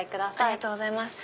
ありがとうございます。